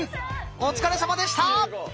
お疲れさまでした！